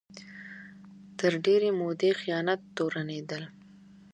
تر ډېرې مودې خیانت تورنېدل